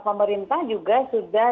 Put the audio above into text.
pemerintah juga sudah